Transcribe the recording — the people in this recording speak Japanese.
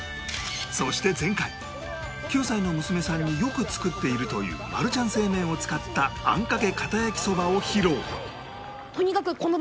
そして前回９歳の娘さんによく作っているというマルちゃん正麺を使ったあんかけかた焼きそばを披露